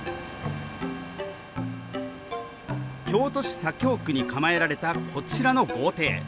京都市左京区に構えられたこちらの豪邸。